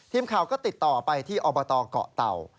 ทีมข่าวก็ติดต่อไปที่อบตเกาะเต่า